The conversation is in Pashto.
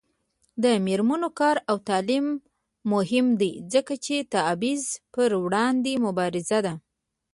د میرمنو کار او تعلیم مهم دی ځکه چې تبعیض پر وړاندې مبارزه ده.